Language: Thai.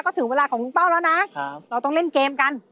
ก็ถึงเวลาของลุงเป้าแล้วนะเราต้องเล่นเกมกัน